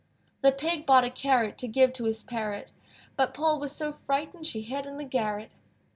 The Pig bought a carrot To give to his parrot: But Poll was so frightened She hid in the garret.